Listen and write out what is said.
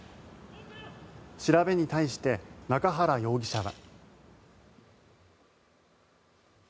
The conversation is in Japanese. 調べに対して、中原容疑者は。